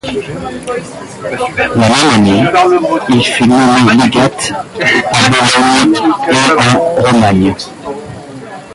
La même année, il fut nommé légat à Bologne et en Romagne.